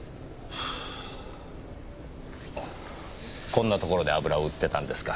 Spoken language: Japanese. こんなところで油を売ってたんですか。